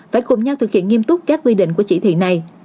phải cùng nhau thực hiện nghiêm túc các quy định của chỉ thị này